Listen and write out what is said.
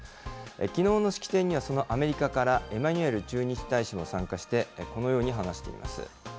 きのうの式典には、そのアメリカからエマニュエル駐日大使も参加して、このように話しています。